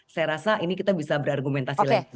saya rasa ini kita bisa berargumentasi lagi